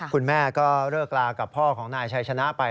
คุณแม่ก็เลิกลากับพ่อของนายชัยชนะไป